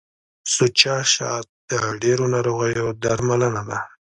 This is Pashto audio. سوچه شات د ډیرو ناروغیو درملنه ده.